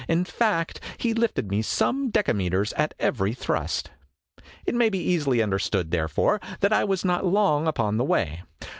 In fact, he lifted me some decameters at every thrust. It may easily be understood, therefore, that I was not long upon the way.